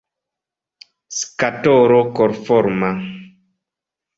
Skatolo korforma.